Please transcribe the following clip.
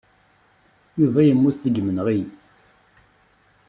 Yuba yemmut deg yimenɣi.